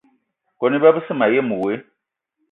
Kone iba besse mayen woe.